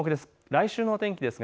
来週の天気です。